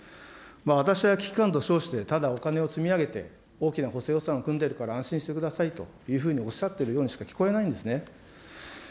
私は危機感と称してただ、お金を積み上げて大きな補正予算を組んでるから安心してくださいというふうにおっしゃってるようにしか聞こえなんですね。